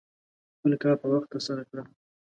خپل کار په وخت ترسره کړه.